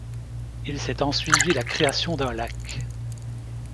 Il s'est ensuivi la création d'un lac.